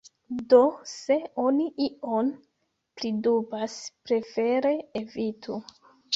Do se oni ion pridubas, prefere evitu.